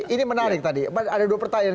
ini menarik tadi ada dua pertanyaan